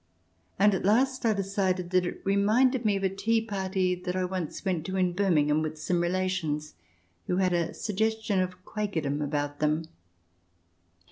And at last I decided that it reminded me of a tea party that I once went to in Birmingham with some relations who had a suggestion of Quakerdom about them.